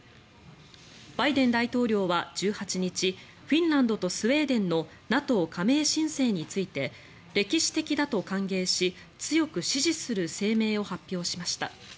バイデン大統領は１８日フィンランドとスウェーデンのＮＡＴＯ加盟申請について歴史的だと歓迎し強く支持する声明を発表しました。